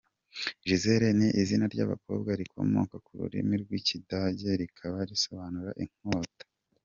Gisele ni izina ry'abakobwa rikomoka ku rurimi rw'Ikidage rikaba risobanura "Inkota".